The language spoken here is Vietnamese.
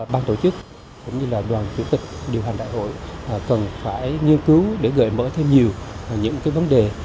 ban tổ chức cũng như là đoàn chủ tịch điều hành đại hội cần phải nghiên cứu để gợi mở thêm nhiều những vấn đề